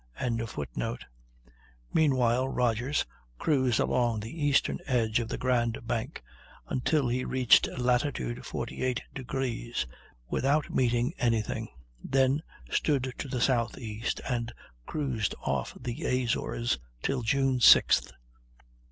] Meanwhile Rodgers cruised along the eastern edge of the Grand Bank until he reached latitude 48°, without meeting any thing, then stood to the southeast, and cruised off the Azores till June 6th.